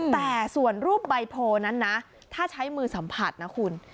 แต่ส่วนรูปใบโพลนั้นนะถ้าใช้มือสัมผัสนะคุณ